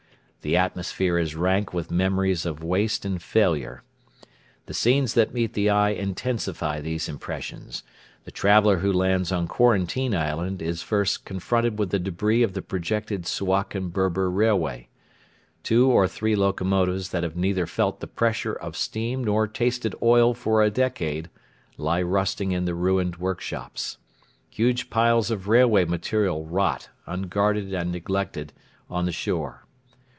The atmosphere is rank with memories of waste and failure. The scenes that meet the eye intensify these impressions. The traveller who lands on Quarantine Island is first confronted with the debris of the projected Suakin Berber Railway. Two or three locomotives that have neither felt the pressure of steam nor tasted oil for a decade lie rusting in the ruined workshops. Huge piles of railway material rot, unguarded and neglected, on the shore.